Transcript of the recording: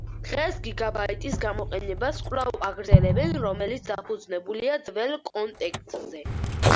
დღეს გიგაბაიტის გამოყენებას კვლავ აგრძელებენ, რომელიც დაფუძნებულია ძველ კონტექსტზე.